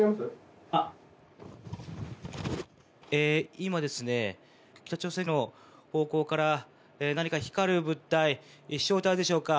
今、北朝鮮の方向から何か光る物体飛翔体でしょうか。